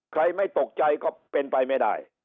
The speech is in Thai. ไม่ตกใจก็เป็นไปไม่ได้